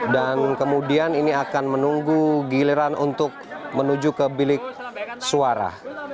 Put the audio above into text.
dan kemudian ini akan menunggu giliran untuk menuju ke bilik suara